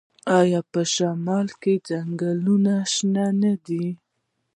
آیا په شمال کې ځنګلونه شنه نه دي؟